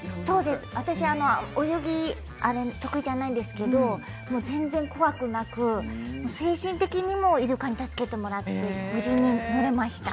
私、泳ぎが得意じゃないですけれど全然怖くなく精神的にもイルカに助けてもらいました。